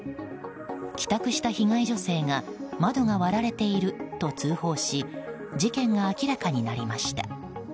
帰宅した被害女性が窓が割られていると通報し事件が明らかになりました。